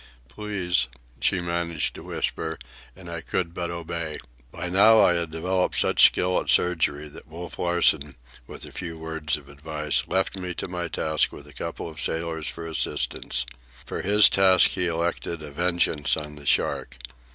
"Please," she managed to whisper, and I could but obey. By now I had developed such skill at surgery that Wolf Larsen, with a few words of advice, left me to my task with a couple of sailors for assistants. For his task he elected a vengeance on the shark.